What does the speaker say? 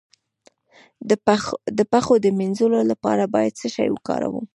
د پښو د مینځلو لپاره باید څه شی وکاروم؟